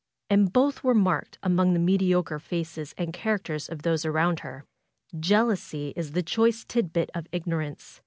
And both were marked among the mediocre faces and characters of those around her. Jealousy is the choice tit bit of ignorance.